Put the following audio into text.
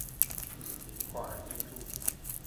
明華一路